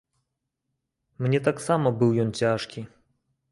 Мне таксама быў ён цяжкі.